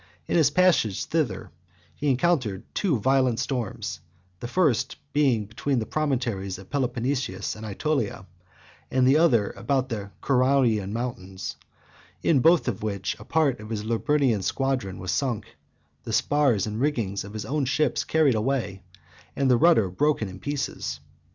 In his passage thither, he encountered two violent storms, the first between the promontories of Peloponnesus and Aetolia, and the other about the Ceraunian mountains; in both which a part of his Liburnian squadron was sunk, the spars and rigging of his own ship carried away, and the rudder broken in pieces.